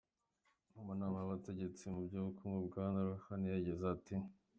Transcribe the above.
Mu nama y'abategetsi mu by'ubukungu, Bwana Rouhani yagize ati:.